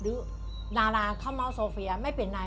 ดาราเขาเมาสโซเฟียไม่เป็นไร